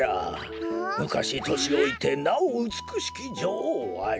「むかしとしおいてなおうつくしきじょおうあり